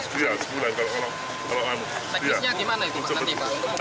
paling lama sebulan